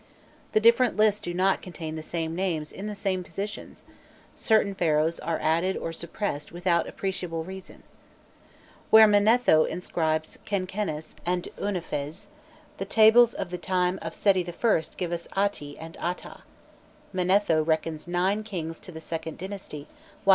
The different lists do not contain the same names in the same positions; certain Pharaohs are added or suppressed without appreciable reason. Where Manetho inscribes Kenkenes and Ouenephes, the tables of the time of Seti I. gave us Ati and Ata; Manetho reckons nine kings to the IInd dynasty, while they register only five.